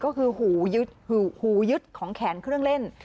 ก็คือหูยึดหูยึดของแขนเครื่องเล่น